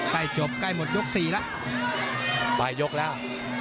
ใกล้จบใกล้หมดยกสี่แล้วปลายยกแล้ว